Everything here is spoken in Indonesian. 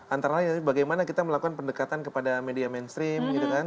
antara lainnya bagaimana kita melakukan pendekatan kepada media mainstream